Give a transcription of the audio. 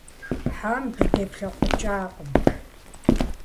- Хьэм дытеплъэкъукӏакъым.